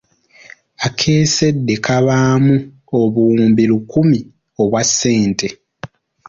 Akeesedde kabaamu obuwumbi lukumi obwa sente.